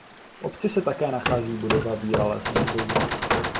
V obci se také nachází budova bývalé synagogy.